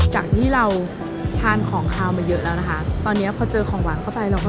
จากที่เราทานของขาวมาเยอะแล้วนะคะตอนนี้พอเจอของหวานเข้าไปเราก็